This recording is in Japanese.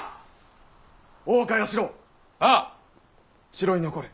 城に残れ。